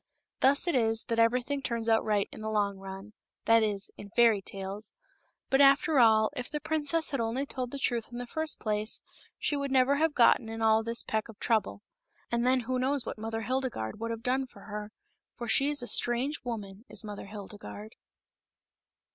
Thus it is that everything turns out right in the long run — that is in fairy tales. But, after all, if the princess had only told the truth in the first place, she would never have gotten in all this peck of trouble. And then who knows what Mother Hildegarde would have done for her, for she is a strange woman, is Mother Hildegarde.